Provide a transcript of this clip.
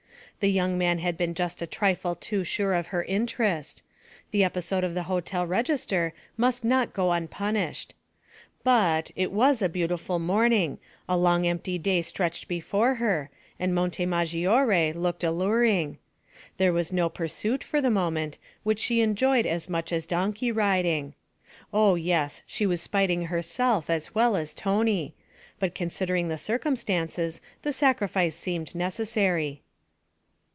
The young man had been just a trifle too sure of her interest; the episode of the hotel register must not go unpunished. But it was a beautiful morning, a long empty day stretched before her, and Monte Maggiore looked alluring; there was no pursuit, for the moment, which she enjoyed as much as donkey riding. Oh yes, she was spiting herself as well as Tony; but considering the circumstances the sacrifice seemed necessary.